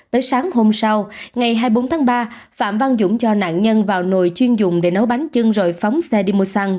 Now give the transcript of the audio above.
tới sáng hôm sau ngày hai mươi bốn tháng ba phạm văn dũng cho nạn nhân vào nồi chuyên dùng để nấu bánh chưng rồi phóng xe đi mua xăng